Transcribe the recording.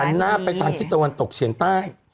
หน้าไปทางทิศตะวันตกเฉียงใต้